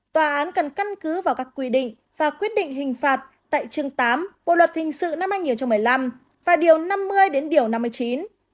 tòa án cần căn cứ vào các quy định và quyết định hình phạt tại chương tám bộ luật hình sự năm hai nghìn một mươi năm và điều năm mươi đến điều năm mươi chín